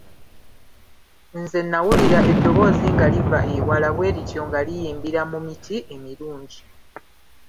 Nze nawulira eddoboozi nga liva ewala bwe lityo nga liyimbira mu miti emirungi.